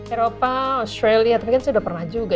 eropa australia tapi kan saya udah pernah juga